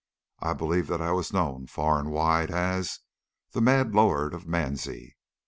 I believe that I was known far and wide as the "mad laird o' Mansie."